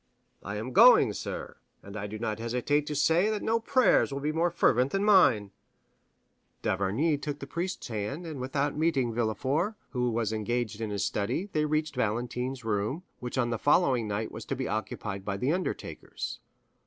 "I am going, sir; and I do not hesitate to say that no prayers will be more fervent than mine." D'Avrigny took the priest's hand, and without meeting Villefort, who was engaged in his study, they reached Valentine's room, which on the following night was to be occupied by the undertakers.